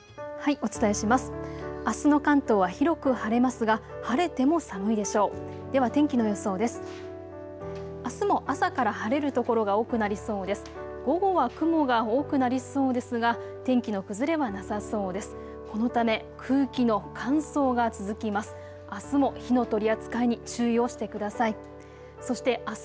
お伝えします。